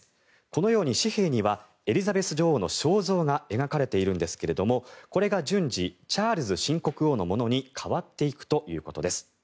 このように紙幣にはエリザベス女王の肖像が描かれているんですがこれが順次チャールズ新国王のものに変わっていくということです。